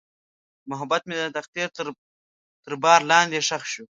محبت مې د تقدیر تر بار لاندې ښخ شو.